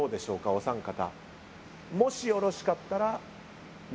お三方。